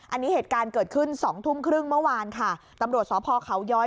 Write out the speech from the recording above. อันนี้เหตุการณ์เกิดขึ้นสองทุ่มครึ่งเมื่อวานค่ะตำรวจสพเขาย้อย